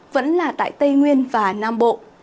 vẫn là tại tây nguyên và nam bộ